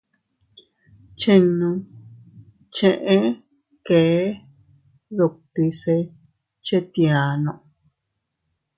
Chinno cheʼe kee dutti se chetiano.